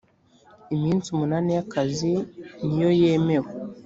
iminsi umunani y’ akazi niyoyemewe.